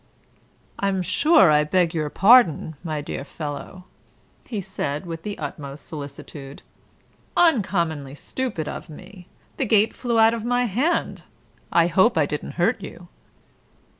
"I'm sure I beg your pardon, my dear fellow," he said, with the utmost solicitude. "Uncommonly stupid of me. The gate flew out of my hand. I hope I didn't hurt you."